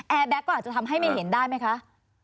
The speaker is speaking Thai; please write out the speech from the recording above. แบ็คก็อาจจะทำให้ไม่เห็นได้ไหมคะ